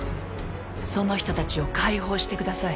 その人たちを解放してください。